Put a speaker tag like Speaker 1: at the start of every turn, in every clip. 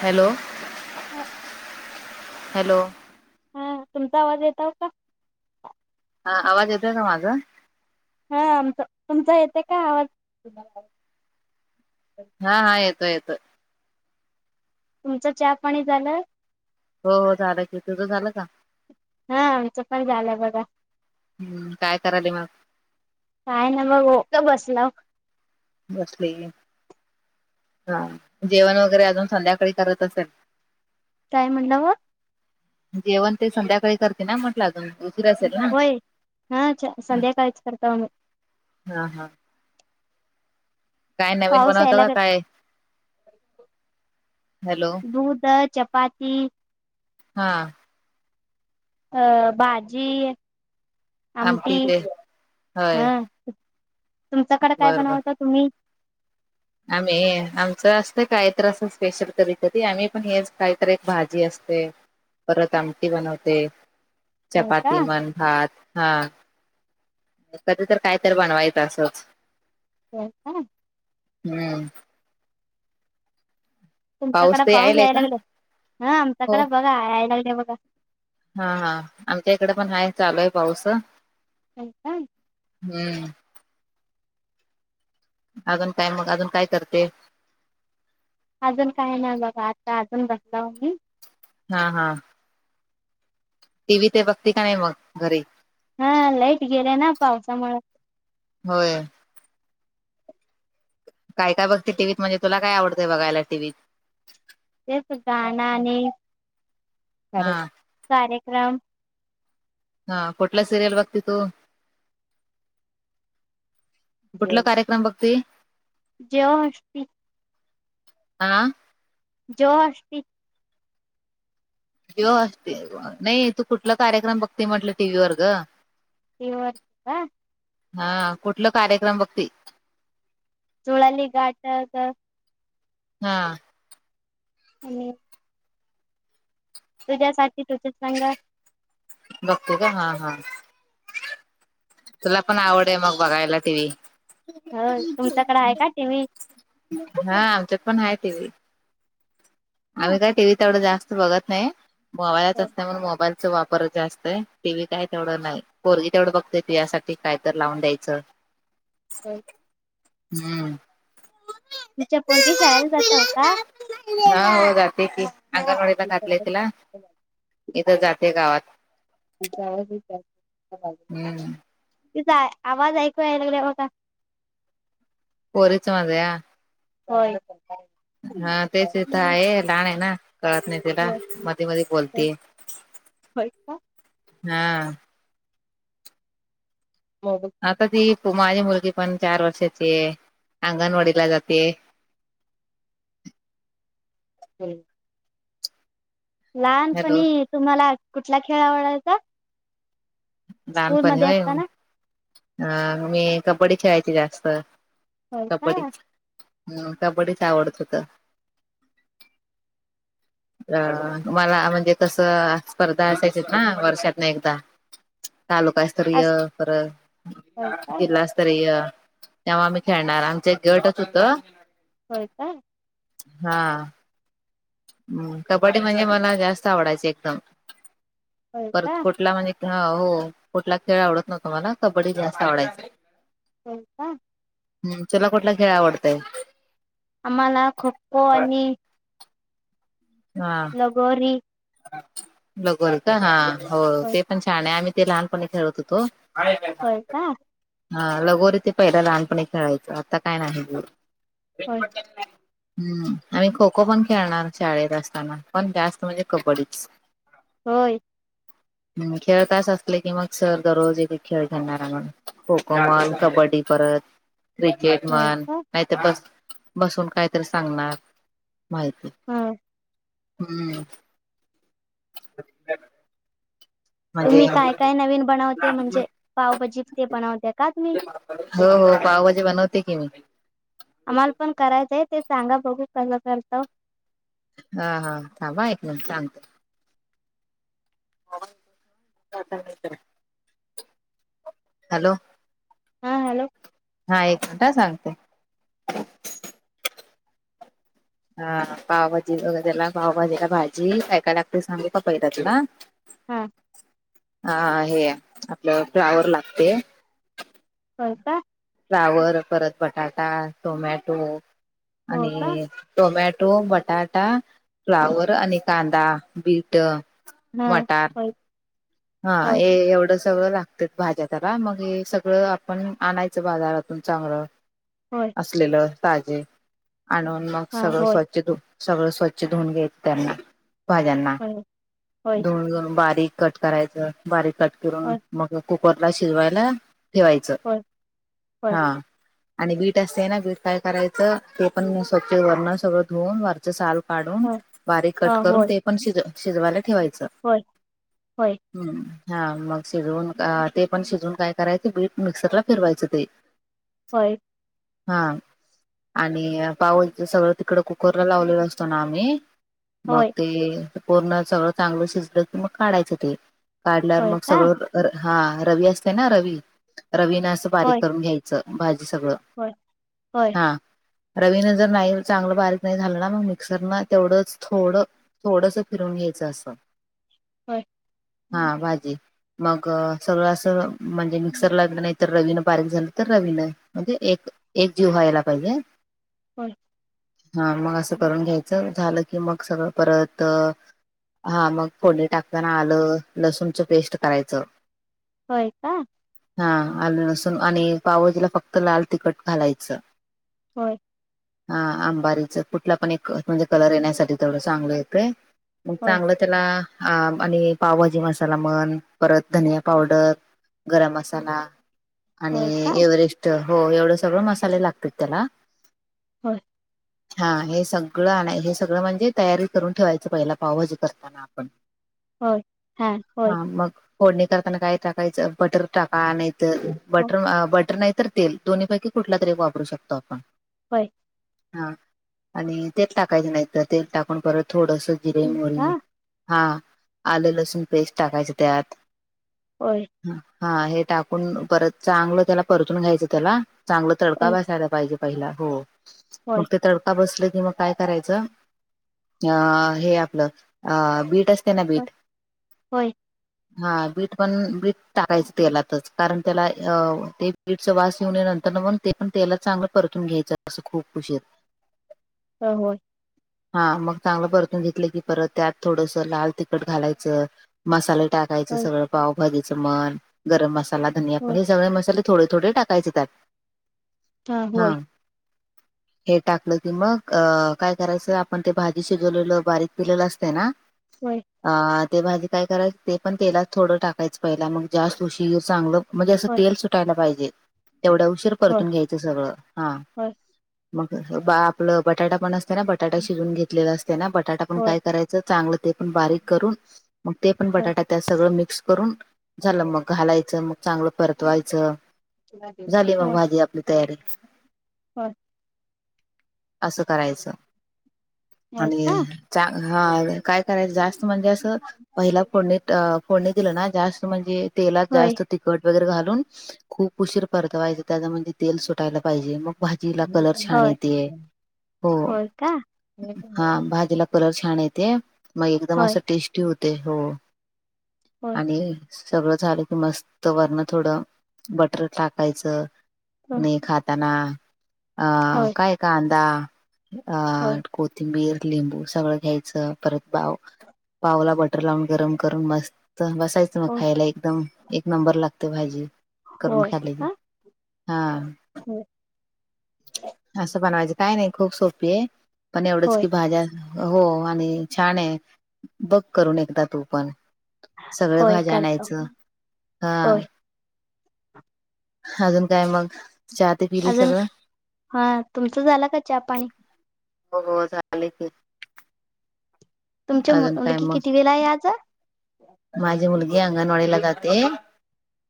Speaker 1: Hello.
Speaker 2: हम.
Speaker 1: Hello.
Speaker 2: हा तुमचा आवाज येत का.
Speaker 1: हा आवाज येतोय का माझा.
Speaker 2: हा आमचा तुमचा येते काय आवाज.
Speaker 1: हा हा येतोय येतो.
Speaker 2: तुमचं चहा पाणी झालं.
Speaker 1: हो हो झालं कि तूझ झालं का.
Speaker 2: हा आमचं पण झालंय बघा.
Speaker 1: हम्म काय कराल मग.
Speaker 2: काय ना मग हो का बसला.
Speaker 1: बसलोय. हा जेवण वगैरे अजून संध्याकाळी करत असेल.
Speaker 2: काय म्हणलं हो.
Speaker 1: जेवण ते संध्याकाळी करते ना म्हटलं अजून. उशीर असेल ना..?
Speaker 2: होय हा संध्याकाळीच करता आम्ही.
Speaker 1: हा हा. काय नवीन
Speaker 2: पाऊस
Speaker 1: बनवतं
Speaker 2: यायला
Speaker 1: का काय.? हॅलो
Speaker 2: दूध चपाती.
Speaker 1: हा.
Speaker 2: अ भाजी. आमटी हा
Speaker 1: होय
Speaker 2: तुमच्याकडे काय
Speaker 1: बर बर
Speaker 2: बनवत तुम्ही.
Speaker 1: आमचं असत स्पेशल कधीतरी आम्ही पण हेच काहीत एक भाजी असते. परत आमटी बनवते
Speaker 2: होय का
Speaker 1: चपाती मन भात हा. कधी तर काय तर बनवायचं असच.
Speaker 2: हो ह.
Speaker 1: हम्म.
Speaker 2: तुमच्याकडे
Speaker 1: ते
Speaker 2: पाऊस
Speaker 1: यायलाय का
Speaker 2: यायला लागला ह
Speaker 1: हो
Speaker 2: आमच्याकडें बघा यायला लागले बघा.
Speaker 1: हा हा आमच्या इकडे पण हाय चालू आहे पाऊस.
Speaker 2: हा.
Speaker 1: हम्म. अजून काय मग अजून काय करते.
Speaker 2: अजून काय ना बघा आता अजून बसला मी
Speaker 1: हा हा टी व्ही ते बघते का नाही मग घरी
Speaker 2: हा लाईट गेलेय ना पावसामुळे
Speaker 1: होय काय बघते टीवीत म्हणज तुला काय आवतय बघायलाीव्त
Speaker 2: तेच गाण्या आणि कार
Speaker 1: हा
Speaker 2: कार्यक्रम
Speaker 1: हा कुठला सिरियल बघते तू कुठला कार्यक्रम बघते
Speaker 2: जेवष्टती
Speaker 1: हाना
Speaker 2: जो असती
Speaker 1: जव असते नाही तू कुठला कार्यक्रम बघते म्हटलं टी व्ही वर ग
Speaker 2: तेव का
Speaker 1: हा कुठलं कार्यक्रम बघते
Speaker 2: चुळाली घाटग [unintelligible]
Speaker 1: हा
Speaker 2: आणि तुझ्यासाठी तुझंच चांगल
Speaker 1: [inaudible] बघतू का हा -हा तुला पण आवड मग [inaudible] बघायला टिव्ही
Speaker 2: होय तुमच्याकडे आहे का टीव्ही
Speaker 1: [unintelligible] हा आमच्यात पण हाय टिव्ही
Speaker 2: हा
Speaker 1: आम्ही काय टीव्ही तेवढं जास्त बघत नाही मोबाईलच असतय म्हणून मोबाईल वापर जास्त आहे टीव्ही काय तेवढं नाही पोरगी तेवढं बघतेय ती यासाठी काय तर लावून द्यायचं
Speaker 2: हो [unintelligible]
Speaker 1: हम्म [inaudible]
Speaker 2: तुमच्या पोरगी शाळेला जाताव का
Speaker 1: [inaudible] हा हो जाते की अंगणवाडीला घातलेय तिला इथं जाते गावात
Speaker 2: चा [unintelligible]
Speaker 1: हम्म [unintelligible]
Speaker 2: तिचा आवाज ऐकूयला लागलाय बघा
Speaker 1: पोंरीच माझ या
Speaker 2: होय [unintelligible]
Speaker 1: हा तेच इथ आहे लहान आहे ना कळत नाही त्याला
Speaker 2: होय
Speaker 1: मध्ये -मध्ये बोलते
Speaker 2: होय का
Speaker 1: हा
Speaker 2: म [unintelligible]
Speaker 1: आता ती माझी मुलगी पण चार वर्षाची आहे अंगणवाडीला जाते
Speaker 2: हम् [unintelligible]
Speaker 1: हॅलो
Speaker 2: लहानपणी तुम्हाला कुठला खेळ आवडायचा? स्कूल
Speaker 1: लहानपणी
Speaker 2: मध्ये
Speaker 1: होय
Speaker 2: असताना
Speaker 1: अ मी कबड्डी खेळायची जास्त
Speaker 2: होय का
Speaker 1: कबड्डीच -कबड्डीच आवडत होत तर मला म्हणजे कसं स्पर्धा असायच्या ना वर्षातन एकदा [inaudible] तालूकास्तरीय
Speaker 2: अस
Speaker 1: परत
Speaker 2: होय का
Speaker 1: जिल्हास्त स्तरीय तेव्हा आम्ही खेळणार आमचा एक गटच होत
Speaker 2: होय काय
Speaker 1: हा हम्म कबड्डी म्हणजे मला जास्त आवडायच एकदम
Speaker 2: होय का
Speaker 1: परत कुठला म्हणजे हा हो कुठला खेळ आवडत नव्हता मला कबड्डी जास्त आवडायचा [inaudible]
Speaker 2: हो का
Speaker 1: हम्म तुला कुठला खेळ आवडतय? [inaudible]
Speaker 2: आ मला खो- खो आणि
Speaker 1: हा
Speaker 2: गोरी
Speaker 1: लगोर का हा हो
Speaker 2: होय
Speaker 1: ते पण छान आहे आम्ही ते लहानपणी खेळत होतो
Speaker 2: होय का
Speaker 1: [unintelligible] हा लगोरी ते पहिला लहानपणी खेळायचं आता काय नाही ल
Speaker 2: होय
Speaker 1: हम्म आम्ही खो- खो पण खेळणार शाळेत असताना पण जास्त म्हणजे कबड्डीच
Speaker 2: होय
Speaker 1: हम्म खेळत तास असल की मग सर दररोज एक-एक खेळ घेणार आम्हाला खो- खो म्हण कबड्डी परत क्रिकेट
Speaker 2: होय
Speaker 1: म्हण
Speaker 2: का
Speaker 1: [inaudible] नाहीतर बस- बसून काहीतर सांगणार माहितीये
Speaker 2: ह
Speaker 1: हम्म... [inaudible] म्हणजे
Speaker 2: तुम्ही काय काय नवीन बनवते म्हणजे पावभजी ते बनवते का तुम्ही
Speaker 1: हो हो पावभाजी बनवते की मी
Speaker 2: आम्हाला पण करायचंय ते चांगा बघू कसं करतं
Speaker 1: हा हा थांबा एक न चांगत हॅलो
Speaker 2: हा हॅलो
Speaker 1: हा एक मिनटा सांगते
Speaker 2: होम
Speaker 1: हा पावभाजी वगैरेला पावभजीला भाजी कायला लागट सांगे कपयतातुला
Speaker 2: हम
Speaker 1: हा हे आपलं फ्लावर लागते
Speaker 2: कर का
Speaker 1: फावर परत बटाटा टोमॅटो
Speaker 2: हो का
Speaker 1: आणि टोमॅटो बटाटा फ्लावरवर आणि कांदा बीट
Speaker 2: हा
Speaker 1: मटार
Speaker 2: हो
Speaker 1: हा ते एवढं सगळं लागत भाज्या त्याला मग सगळं आपण आणायचं बाजारातून चांगलं
Speaker 2: हो
Speaker 1: असलेलं तजे आणून मग
Speaker 2: हा
Speaker 1: सगळ
Speaker 2: होय
Speaker 1: स्वच्छ सगळं स्वच्छ धुवून घ्यायचं त्यांना भाज्यांना
Speaker 2: होय होय
Speaker 1: धुून बारीक कट करायचं बारीक कट करून
Speaker 2: होय
Speaker 1: मग कुकरला शिजवायला ठेवायचं
Speaker 2: होय
Speaker 1: हा आणि बीट असते ना बीट काय करायचं ते पण स्वच्छ वरण सगळं धुवन वरचं साल काढून
Speaker 2: होय ह
Speaker 1: बारीक
Speaker 2: ह
Speaker 1: कट करून
Speaker 2: होय
Speaker 1: ते पण शज शिजवायला ठेवायचं
Speaker 2: होय होय
Speaker 1: हम हा मग शिजवून ते पण शिजून काय करायचे बीट मिक्सरला फिरवायचं ते
Speaker 2: होय
Speaker 1: हा आणि पाऊलच सगळं तिकड कुकरला लावलेला असतो ना आम्ही मग
Speaker 2: होय
Speaker 1: ते पूर्ण सगळं चांगलं शिजलं की मग काढायचं ते काढल्यावर
Speaker 2: होय
Speaker 1: मग
Speaker 2: का
Speaker 1: सगळं हा रवी असते ना रवी रवीना असं बारीक करून घ्यायचं भाजी सगळं
Speaker 2: हो होय
Speaker 1: हा रवीन जर नाही चांगलं बारीक नाही झालं ना मग मिक्सर न तेवढंच थोडं थोडस फिरून घ्यायचं असं
Speaker 2: ह
Speaker 1: हा भाजी मग सगळं अस म्हणजे मिक्सर लागलं नाही तर रवीन बारीक झालं तर रवीन म्हणजे एक एक जीव व्हायला पाहिजे
Speaker 2: होय
Speaker 1: हा मग असं करून घ्यायचं झालं की मग सगळं परत हा मग फोले टाक ण आलं लसूणच पेस्ट करायचं
Speaker 2: होय का
Speaker 1: हा आल नसून आणि पावजला फक्त लाल तिखट घालायचं
Speaker 2: होय
Speaker 1: हा अंबारीच कुठला पण एक म्हणजे कलर येण्यासाठी तेथोडं चांगलं येतं म
Speaker 2: होय
Speaker 1: तांगल चला आ आणि पावभाजी मसाला म्हन परत धनिया पावडर गरम मसाला आणि
Speaker 2: होय का
Speaker 1: एव्हरेस्ट हो एवढं सगळ मसाले लागतात त्याला
Speaker 2: ह
Speaker 1: हा हे सगळं नाही हे सगळं म्हणजे तयारी करून ठेवायचं पहिला पावभाजी करताना आपण
Speaker 2: हो
Speaker 1: हा मग फोडणी करताना काय टाकायचं बटर टाका नाहीत
Speaker 2: हो
Speaker 1: बटर बटर नाही तर तेल दोन्हीपैकी कुठला तरी वापरू शकतो आपण
Speaker 2: होय
Speaker 1: हा आणि तेल टाकायचं नाही तर तेल टाकून परत थोडस जिरे
Speaker 2: का
Speaker 1: मोरी हा आले लसूण पेस्ट टाकायचे त्यात
Speaker 2: होय
Speaker 1: हा हे टाकून परत चांगलं त्याला परतून घ्यायचं त्याला चांगला तडका
Speaker 2: होय होय
Speaker 1: बसायला पाहिजे पहिला हो मग
Speaker 2: होय
Speaker 1: ते तड का बसलं की मग काय करायचं अ हे आपलं अ बीट असते ना बीट
Speaker 2: होय
Speaker 1: हा बीट पण बीट टाकायचं तेलातच कारण त्याला अ ते बीडचा वास येऊन नंतर मग ते पण त्याला चांगलं परतून घ्यायचं असं खूप खुश आहेत
Speaker 2: हो हो
Speaker 1: हा मग चांगलं परतून घेतलं की परत त्यात थोडस लाल त चट घालायचं मसाले टाकायचं
Speaker 2: होय होय होय
Speaker 1: सगळं पावभजीचं मन गरम मसाला धनिया पण हे
Speaker 2: होय
Speaker 1: सगळे मसाले थोडे थोडे टाकायचे त्याात हा हे टाकलं की मग काय करायचं आपण ते भाजी शिजवलेलं बारीक पिलेलं असते ना
Speaker 2: होय
Speaker 1: अ ते भाजी काय करायची ते पण तेलाच थोडं टाकायचं पहिला मग जास्त उशीर चांगलं म्हणजे असं
Speaker 2: होय
Speaker 1: तेल सुटायला पाहिजे तेवढ्या उशीर परतून
Speaker 2: होय
Speaker 1: घ्यायचं सगळं हा
Speaker 2: होय
Speaker 1: मग बा आपलं बटाटा पण असते ना बटाटा शिजून घेतलेला असते ना बटाटा पण काय
Speaker 2: होय
Speaker 1: करायचं चांगलं ते पण बारीक करून मग ते पण बटाटा त्या सगळं मिक्स करून झालं मग घालायचं मग चांगलं परतवायचं झाली मग भाजी आपली तयारी
Speaker 2: बर
Speaker 1: असं करायचं आणि
Speaker 2: होय
Speaker 1: चां ह काय करायचं जास्त अस पहिोड फोडणी दिलं ना जास्त म्हणजे तेला
Speaker 2: होय
Speaker 1: जास्त तखट वगैरे घालून खूप उशीर परतवायचे त्याच म्हणजे तेल सुटायला पाहिजे मग भाजीला कलर छान
Speaker 2: होय
Speaker 1: येते हो
Speaker 2: होय का
Speaker 1: हा भाजीला कलर छान येत ते मग एकदम
Speaker 2: होय
Speaker 1: असं टेस्टी होते हो
Speaker 2: हो
Speaker 1: आणि सगळं झालं की मस्त वरण थोडं बटर टाकायचं
Speaker 2: होय का
Speaker 1: न खाताना अं
Speaker 2: होय
Speaker 1: काय क कांदा अ को थिंबीर लिंबू सगळं घ्यायचं परत बाव पावला बटर लावून गरम करून मस्त बसायचं मग
Speaker 2: होय
Speaker 1: खायला एक एकदम एक नंबर लागते भाजी करून
Speaker 2: होय होय होय होय
Speaker 1: खालेची
Speaker 2: का
Speaker 1: हा
Speaker 2: होय
Speaker 1: असं बनवायचं काय नाही खूप सोपी आहे पण एवढंच की
Speaker 2: होय
Speaker 1: भाज्या हो आणि छान आहे बक करून एकदा तू पण सगळं
Speaker 2: होय
Speaker 1: भाज्या
Speaker 2: करतो
Speaker 1: आणायचं हा
Speaker 2: होय
Speaker 1: अजून काय मग चहा ते पिली
Speaker 2: अजून
Speaker 1: सगळं
Speaker 2: हा तुमचं झाला का चहा पाणी
Speaker 1: हो हो झाले क
Speaker 2: तुमच्या
Speaker 1: अजून काय
Speaker 2: मुलगी
Speaker 1: मग
Speaker 2: किती वेळा आहे आज
Speaker 1: माझी मुलगी अंगणवाडीला जाते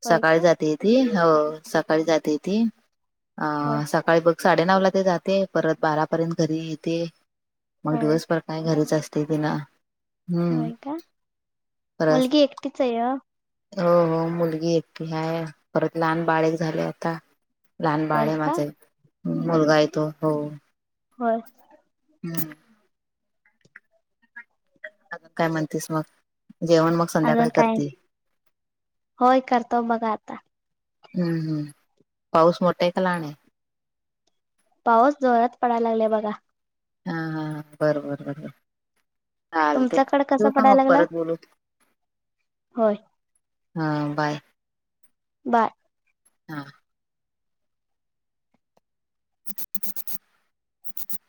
Speaker 2: होय
Speaker 1: सकाळी
Speaker 2: का
Speaker 1: जाते त हो सकाळी जाते ती अ
Speaker 2: होय
Speaker 1: सकाळी बघ साडेनऊ ला ते जाते परत बारापर्यंत घरी येते मग
Speaker 2: होय
Speaker 1: दिवसभर काय घरीच असते ति ना
Speaker 2: होय का
Speaker 1: परत
Speaker 2: मुलगी एकटीच आहे अ
Speaker 1: हो हो मुलगी एकी आहे परत लहान बाळक झाले आता लहान बाळे
Speaker 2: होय
Speaker 1: आहे
Speaker 2: का
Speaker 1: माझे मुलगा य तो हो
Speaker 2: हो
Speaker 1: हम्म अ काय म्हणतीस मग जेवण मग
Speaker 2: अजून
Speaker 1: संध्याकाळी
Speaker 2: काय
Speaker 1: करते
Speaker 2: होय करतो बघा आता
Speaker 1: हम्म हम् पाऊस मोटे खलाणे
Speaker 2: पाऊस जोरात पडायला लागले बघा
Speaker 1: हा हा बरोबर बरोबर चालते
Speaker 2: तुमच्याकडे कसा
Speaker 1: ठेऊ का मग
Speaker 2: पडायला लागला
Speaker 1: परत बोलू
Speaker 2: होय
Speaker 1: हा बाय
Speaker 2: बाय
Speaker 1: हा [inaudible]